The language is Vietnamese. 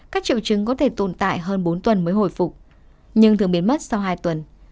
các triệu chứng có thể tồn tại hơn bốn tuần mới hồi phục nhưng thường biến mất sau hai tuần